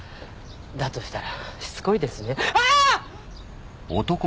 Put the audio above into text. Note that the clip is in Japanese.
だとしたらしつこいですねアアッ